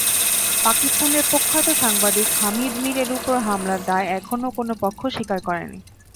পাকিস্তানের প্রখ্যাত সাংবাদিক হামিদ মিরের ওপর হামলার দায় এখনো কোনো পক্ষ স্বীকার করেনি।